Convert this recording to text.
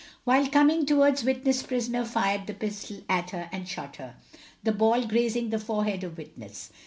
While coming towards Witness prisoner fired the pistol at her and shot her, the ball grazing the forehead of witness.